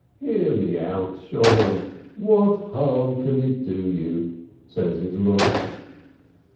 "Hear me out, Sholem, what harm can it do you?" says his look.